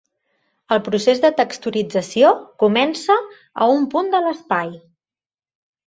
El procés de texturització comença a un punt de l'espai.